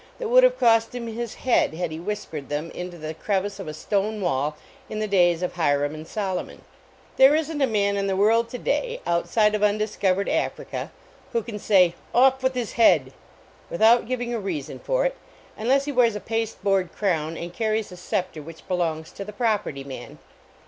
it would have cost him his head had he whis pered them into the crevice of a stone wall in the days of Hiram and Solomon. 142 A NEIGHBORLY NEIGHBORHOOD There isn t a man in the world to day, outside of undiscovered Africa, who can say, " Off with his head," without giving a reason for it, unless he wears a pasteboard crown and carries a scepter which belongs to the property man.